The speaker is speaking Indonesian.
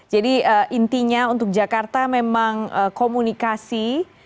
jadi intinya untuk jakarta memang komunikasi